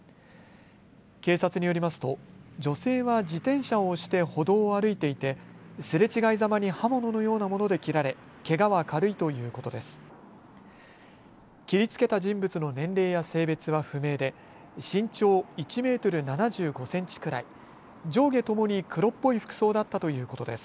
警察によりますと女性は自転車を押して歩道を歩いていてすれ違いざまに刃物のようなもので切られけがは軽いということです。